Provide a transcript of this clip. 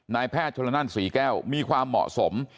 นายแพทย์ชนละนั่นศรีแก้วมีความเหมาะสม